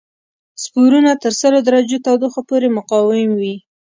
سپورونه تر سلو درجو تودوخه پورې مقاوم وي.